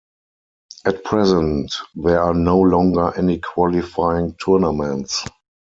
At present, there are no longer any qualifying tournaments.